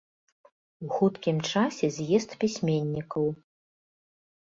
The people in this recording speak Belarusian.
У хуткім часе з'езд пісьменнікаў.